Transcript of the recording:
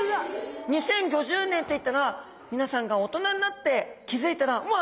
２０５０年っていったらみなさんが大人になって気付いたらうわ！